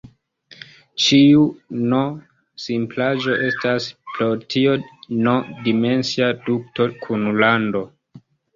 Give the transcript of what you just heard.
Ĉiu "n"-simplaĵo estas pro tio "n"-dimensia dukto kun rando.